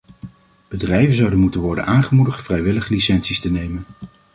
Bedrijven zouden moeten worden aangemoedigd vrijwillig licenties te nemen.